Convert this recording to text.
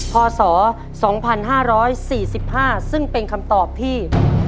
พศ๒๕๔๕ซึ่งเป็นคำตอบที่